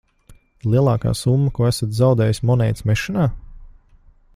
Lielākā summa, ko esat zaudējis monētas mešanā?